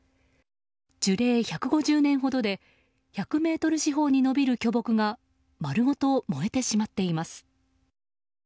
樹齢１５０年ほどで１００ｍ四方に伸びる巨木が丸ごと燃えてしまっています。